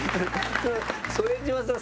副島さん